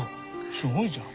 すごいじゃん。